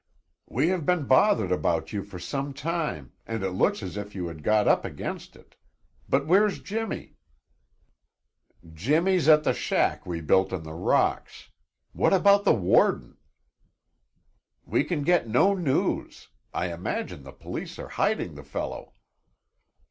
"We have been bothered about you for some time and it looks as if you had got up against it. But where's Jimmy?" "Jimmy's at the shack we built in the rocks. What about the warden?" "We can get no news. I imagine the police are hiding the fellow."